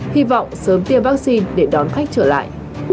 hy vọng sớm tiêm vaccine để đón khách trở lại